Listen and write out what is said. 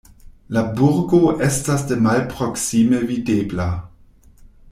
La burgo estas de malproksime videbla.